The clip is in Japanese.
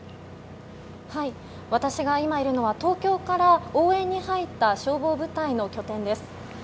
私が今いるのは東京から応援に入った消防部隊の拠点です。